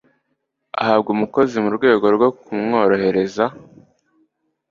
ahabwa umukozi mu rwego rwo kumworohereza